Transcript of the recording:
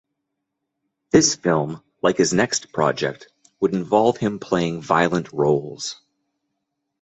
This film, like his next project, would involve him playing violent roles.